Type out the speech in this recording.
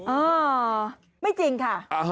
อ้าวไม่จริงค่ะ